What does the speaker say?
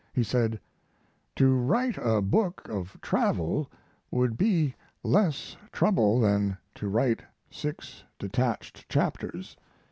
He said: To write a book of travel would be less trouble than to write six detached chapters.